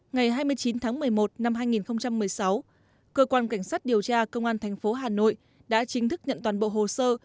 ngày hai mươi chín tháng một mươi một năm hai nghìn một mươi sáu cơ quan cảnh sát điều tra công an thành phố hà nội đã chính thức nhận toàn bộ hồ sơ